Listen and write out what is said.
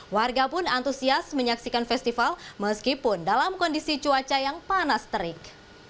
warga pun antusias menyaksikan festival meskipun dalam kondisi cuaca yang panas terik